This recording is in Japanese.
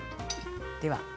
では